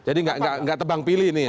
jadi gak tebang pilih nih ya